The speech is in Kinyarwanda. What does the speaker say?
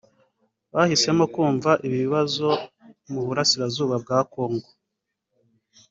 bahisemo kumva ikibazo mu Burasirazuba bwa Congo